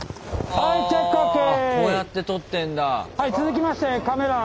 こうやって撮ってんだ。